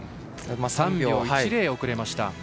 ３秒１０遅れました。